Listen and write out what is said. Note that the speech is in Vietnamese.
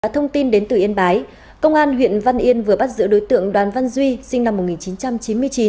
thông tin đến từ yên bái công an huyện văn yên vừa bắt giữ đối tượng đoàn văn duy sinh năm một nghìn chín trăm chín mươi chín